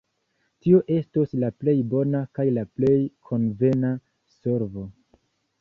Tio estos la plej bona kaj la plej konvena solvo.